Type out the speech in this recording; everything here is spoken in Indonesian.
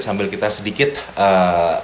sambil kita sedikit membahas